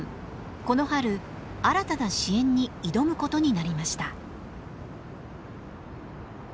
この春新たな支援に挑むことになりました。